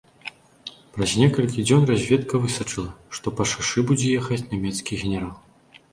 Праз некалькі дзён разведка высачыла, што па шашы будзе ехаць нямецкі генерал.